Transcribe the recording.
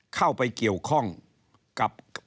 เข้าไปเกี่ยวข้องกับ